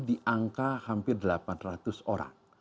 di angka hampir delapan ratus orang